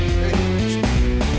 kita harus menjual